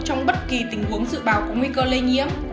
trong bất kỳ tình huống dự bào của nguy cơ lây nhiễm